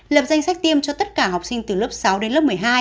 lập danh sách tiêm cho tất cả học sinh từ lớp sáu đến lớp một mươi hai